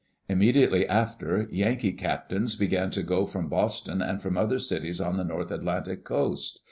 Immediately after, Yankee captains began to go from Boston and from other cities on the north Atlantic coast.